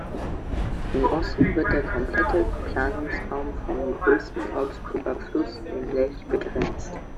Im Osten wird der komplette Planungsraum vom größten Augsburger Fluss, dem Lech, begrenzt.